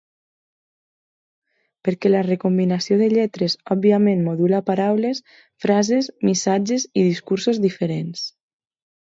Perquè la recombinació de lletres òbviament modula paraules, frases, missatges i discursos diferents.